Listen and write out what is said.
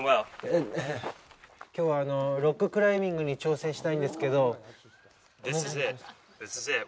きょうは、ロッククライミングに挑戦したいんですけど。